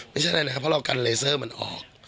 ไม่ใช่อะไรนะครับเพราะเรากันเลเซอร์มันออก